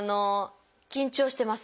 緊張してます。